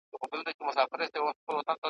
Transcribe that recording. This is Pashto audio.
نه تر څنډی د کوهي سوای ورختلای ,